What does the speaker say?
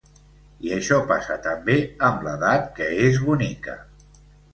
I això passa també amb l’edat, que és bonica.